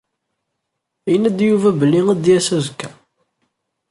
Yenna-d Yuba belli ad d-yas azekka.